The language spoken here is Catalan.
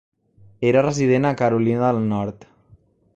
Era resident a Carolina del Nord.